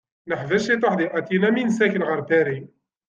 Neḥbes cituḥ deg Atina mi nessakel ɣer Paris.